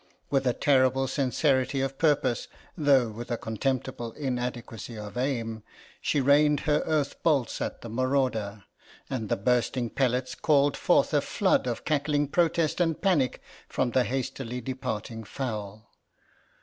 With a terrible sincerity of purpose, though with a contemptible inadequacy of aim, she rained her earth bolts at the marauder, and the bursting pellets called forth a flood of cackling protest and panic from the hastily departing fowl.